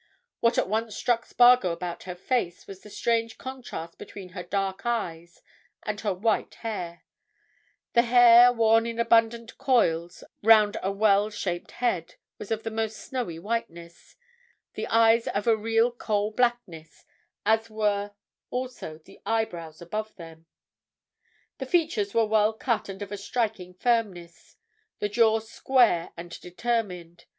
What at once struck Spargo about her face was the strange contrast between her dark eyes and her white hair; the hair, worn in abundant coils round a well shaped head, was of the most snowy whiteness; the eyes of a real coal blackness, as were also the eyebrows above them. The features were well cut and of a striking firmness; the jaw square and determined.